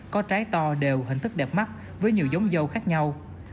có trái to đều hình thức đẹp mắt với nhiều giống dâu khác nhau